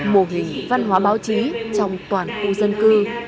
mô hình văn hóa báo chí trong toàn khu dân cư